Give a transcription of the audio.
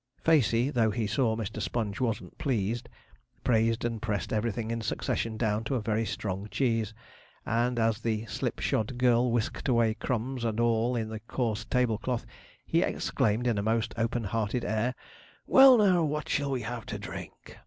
Facey, though he saw Mr. Sponge wasn't pleased, praised and pressed everything in succession down to a very strong cheese; and as the slip shod girl whisked away crumbs and all in the coarse tablecloth, he exclaimed in a most open hearted air, 'Well, now, what shall we have to drink?'